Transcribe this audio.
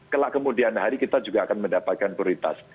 kelak kemudian hari kita juga akan mendapatkan prioritas